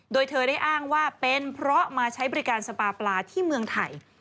โดยเธอได้อ้างว่าเป็นเพราะมาใช้บริการสปาปลาที่เมืองไทย